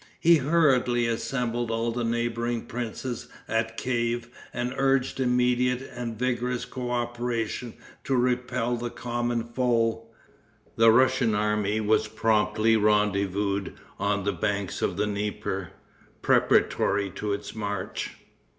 He hurriedly assembled all the neighboring princes at Kief, and urged immediate and vigorous coöperation to repel the common foe. The Russian army was promptly rendezvoused on the banks of the Dnieper, preparatory to its march.